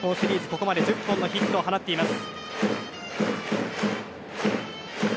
ここまで１０本のヒットを放っています。